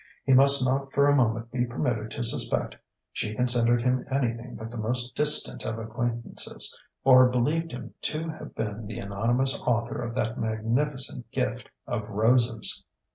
He must not for a moment be permitted to suspect she considered him anything but the most distant of acquaintances or believed him to have been the anonymous author of that magnificent gift of roses....